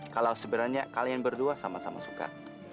kalau sebenarnya kalian berdua sama sama suka